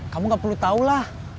kamu gak perlu tahu lah